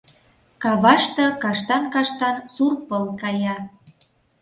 Каваште каштан-каштан сур пыл кая.